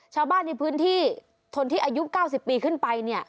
ชาวบ้านในพื้นที่คนที่อายุ๙๐ปีขึ้นไป